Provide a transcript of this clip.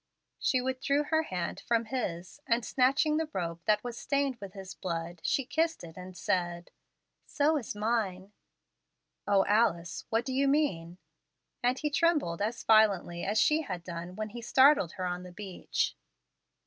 She withdrew her hand from his, and, snatching the rope that was stained with his blood, she kissed it and said, "So is mine." "O Alice! what do you mean?" and he trembled as violently as she had done when he startled her on the beach.